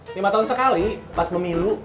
lima tahun sekali pas memilu